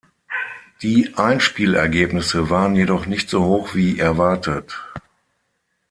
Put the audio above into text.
Die Einspielergebnisse waren jedoch nicht so hoch wie erwartet.